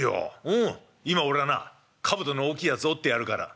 うん今俺がなかぶとの大きいやつ折ってやるから」。